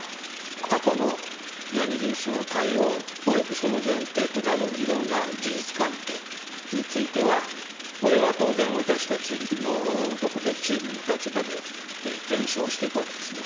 過去のジャニーズ事務所の対応およびその前提となるいろんな事実関係についてはこれは当然、私たちの特別チームの立場で検証していくわけですね。